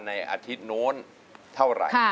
อาทิตย์โน้นเท่าไหร่